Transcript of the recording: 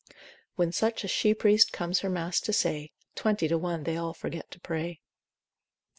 When such a she priest comes her mass to say, Twenty to one they all forget to pray.